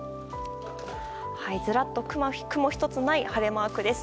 ずらっと雲一つない晴れマークです。